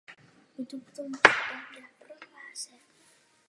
Potřebují odlišné politické a hospodářské priority.